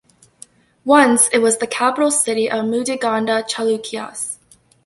Once it was the capital city of Mudigonda Chalukyas.